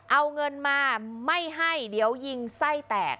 เอาเงินมาไม่ให้เดี๋ยวยิงไส้แตก